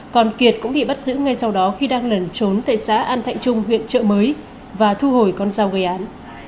còn kiệt cũng bị bắt giữ ngay sau đó khi đang lẩn trốn tại xã an thạnh trung huyện trợ mới và thu hồi con dao gây án